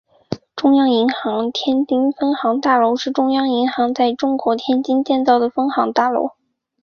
中央银行天津分行大楼是中央银行在中国天津建造的分行大楼。